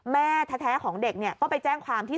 แม่แท้ของเด็กก็ไปแจ้งความที่